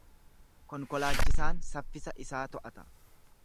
Konkolaachisaan saffisa isaa to’ata.